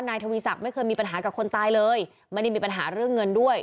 นายทวีศักดิ์ไม่เคยมีปัญหากับคนตายเลยไม่ได้มีปัญหาเรื่องเงินด้วย